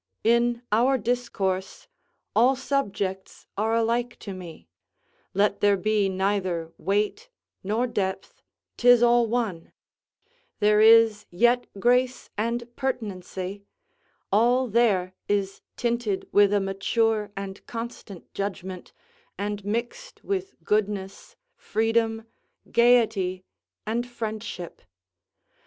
In our discourse, all subjects are alike to me; let there be neither weight, nor depth, 'tis all one: there is yet grace and pertinency; all there is tinted with a mature and constant judgment, and mixed with goodness, freedom, gaiety, and friendship.